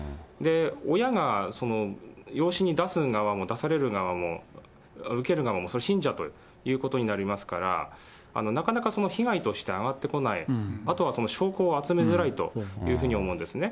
親が養子に出す側も出される側も、受ける側も、それ、信者というになりますから、なかなか被害として上がってこない、あとは証拠を集めづらいということになると思うんですね。